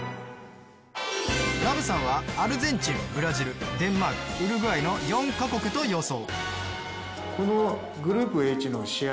Ｌｏｖｅさんはアルゼンチンブラジル、デンマークウルグアイの４カ国と予想。